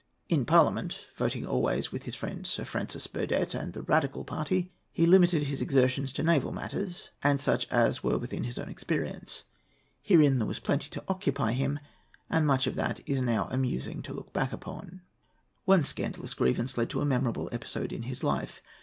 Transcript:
In Parliament, voting always with his friend Sir Francis Burdett and the Radical party, he limited his exertions to naval matters, and such as were within his own experience. Herein there was plenty to occupy him, and much that it is now amusing to look back upon.[A] [Footnote A: See Appendix (II.).] One scandalous grievance led to a memorable episode in his life.